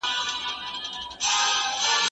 زه پرون قلم استعمالوم کړ؟!